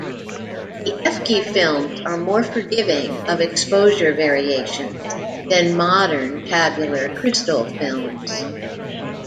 The Efke films are more forgiving of exposure variations than modern tabular crystal films.